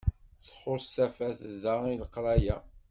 Txuṣṣ tafat da i leqraya.